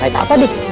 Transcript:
naik apa dik